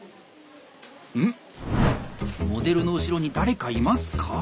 うん⁉モデルの後ろに誰かいますか？